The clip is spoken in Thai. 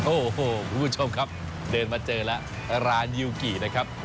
โอ้โหคุณผู้ชมครับเดินมาเจอแล้วร้านยูกี่นะครับ